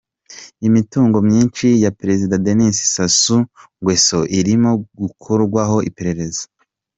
Imitungo myinshi ya perezida Denis Sassou Nguesso irimo gukorwaho iperereza.